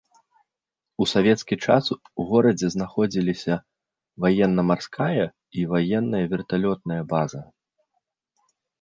У савецкі час у горадзе знаходзіліся ваенна-марская і ваенная верталётная база.